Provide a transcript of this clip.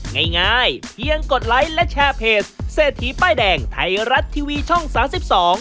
ง่ายง่ายเพียงกดไลค์และแชร์เพจเศรษฐีป้ายแดงไทยรัฐทีวีช่องสามสิบสอง